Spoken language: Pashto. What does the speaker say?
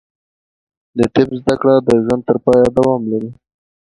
د طب زده کړه د ژوند تر پایه دوام لري.